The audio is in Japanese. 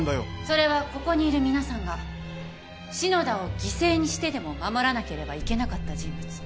それはここにいる皆さんが篠田を犠牲にしてでも守らなければいけなかった人物。